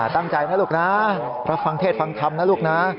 ตั้งใจนะลูกนะเพราะฟังเทศฟังธรรมนะลูกนะ